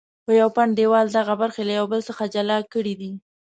یو پنډ دیوال دغه برخې له یو بل څخه جلا کړې دي.